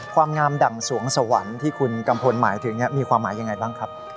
ความงามดั่งสวงสวรรค์ที่คุณกัมพลหมายถึงมีความหมายยังไงบ้างครับ